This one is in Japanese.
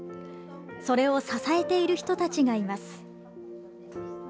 それを支えている人たちがいます。